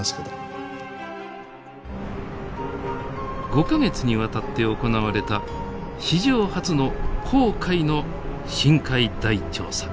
５か月にわたって行われた史上初の紅海の深海大調査。